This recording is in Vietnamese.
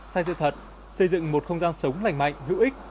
xây dựng một không gian sống lành mạnh hữu ích